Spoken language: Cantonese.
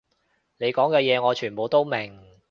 你講嘅嘢我全部都明